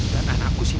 dan anakku sendiri